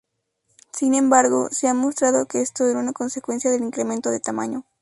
Sin embargo, se ha mostrado que esto era una consecuencia del incremento de tamaño.